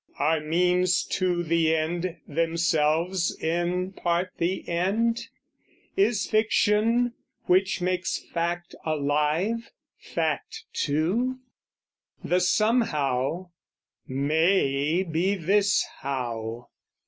Are means to the end, themselves in part the end? Is fiction which makes fact alive, fact too? The somehow may be thishow.